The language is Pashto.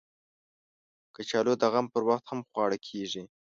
کچالو د غم پر وخت هم خواړه کېږي